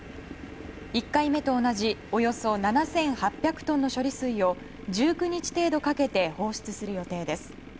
１回目と同じおよそ７８００トンの処理水を１９日程度かけて放出する予定です。